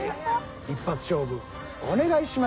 一発勝負お願いします。